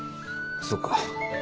そうか。